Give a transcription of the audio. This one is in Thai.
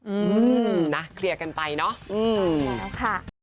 อืมนะเคลียร์กันไปเนาะ